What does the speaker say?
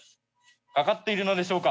かかっているのでしょうか？